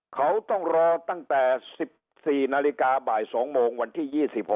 เขาต้องรอตั้งแต่๑๔นาฬิกาบ่าย๒โมงวันที่๒๖